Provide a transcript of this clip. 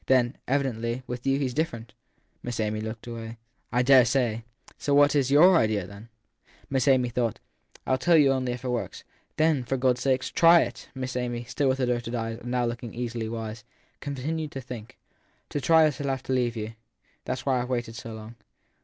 Then, evidently, with you he s different. Miss Amy looked away. I dare say ! So what is your idea ? Miss Amy thought. ( I ll tell you only if it works/ Then, for God s sake, try it ! Miss Amy, still with averted eyes and now looking easily wise, continued to think. To try it I shall have to leave you. That s why I ve waited so long.